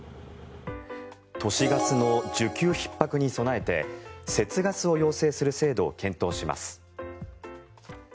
都市ガスの需給ひっ迫に備えて節ガスを要請する制度を検討します。